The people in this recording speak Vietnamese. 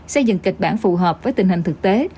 xây dựng kịch bản phù hợp với tình hình thực tế